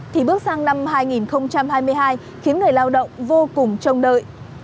thì bước sang năm hai nghìn hai mươi hai khiến người lao động vô cùng trông đợi